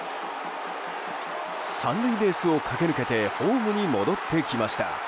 ３塁ベースを駆け抜けてホームに戻ってきました。